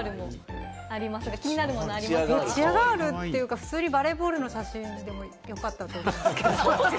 チアガールというか普通にバレーボールの写真で良かったんですけれども。